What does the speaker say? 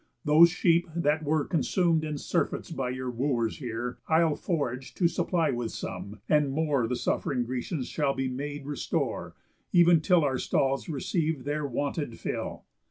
Those sheep, that were Consum'd in surfeits by your Wooers here, I'll forage to supply with some; and more The suff'ring Grecians shall be made restore, Ev'n till our stalls receive their wonted fill.